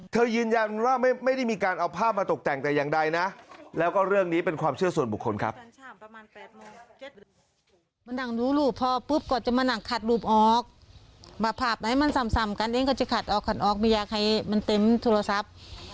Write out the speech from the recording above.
ยืนยันว่าไม่ได้มีการเอาภาพมาตกแต่งแต่อย่างใดนะแล้วก็เรื่องนี้เป็นความเชื่อส่วนบุคคลครับ